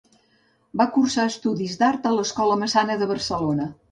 Va cursar estudis d'art a l'Escola Massana de Barcelona.